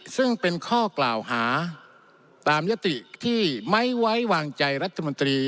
ซึ่งเป็นข้อกล่าวหาตามยติที่ไม่ไว้วางใจรัฐมนตรี